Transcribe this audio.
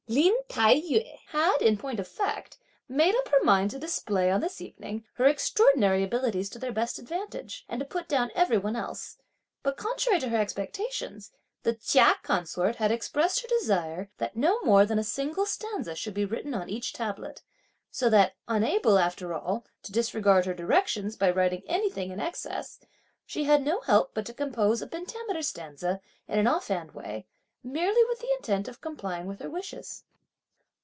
Lin Tao yü had, in point of fact, made up her mind to display, on this evening, her extraordinary abilities to their best advantage, and to put down every one else, but contrary to her expectations the Chia consort had expressed her desire that no more than a single stanza should be written on each tablet, so that unable, after all, to disregard her directions by writing anything in excess, she had no help but to compose a pentameter stanza, in an offhand way, merely with the intent of complying with her wishes.